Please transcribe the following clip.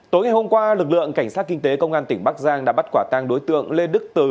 tối ngày hôm qua lực lượng cảnh sát kinh tế công an tỉnh bắc giang đã bắt quả tang đối tượng lê đức tứ